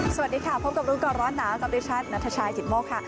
สวัสดีค่ะพบกับรู้ก่อนร้อนหนาวกับดิฉันนัทชายจิตโมกค่ะ